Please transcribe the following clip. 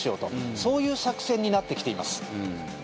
そういう作戦になってきています。